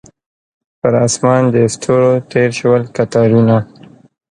پر اسمان د ستورو تیر شول کتارونه